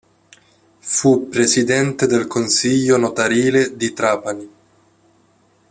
Fu presidente del Consiglio notarile di Trapani.